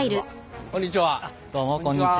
こんにちは。